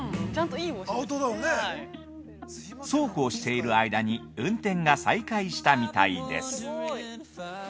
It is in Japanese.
そうこうしている間に運転が再開したみたいです。